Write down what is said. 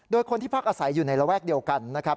โดยคนที่พักอาศัยอยู่ในระแวกเดียวกันนะครับ